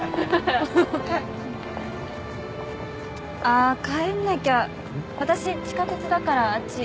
あぁ帰んなきゃ私地下鉄だからあっち。